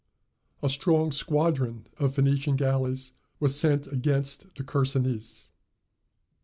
A strong squadron of Phoenician galleys was sent against the Chersonese.